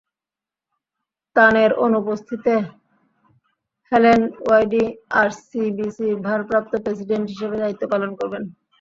তানের অনুপস্থিতিতে Helen Y Dee আরসিবিসির ভারপ্রাপ্ত প্রেসিডেন্ট হিসেবে দায়িত্ব পালন করবেন।